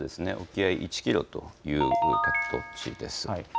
沖合１キロということです。